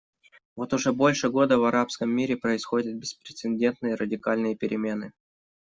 Вот уже больше года в арабском мире происходят беспрецедентные радикальные перемены.